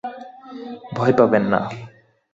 ভয় পাবেন না।